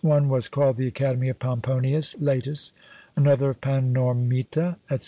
One was called the Academy of Pomponius LÃḊtus, another of Panormita, &c.